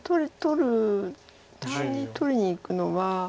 単に取りにいくのは。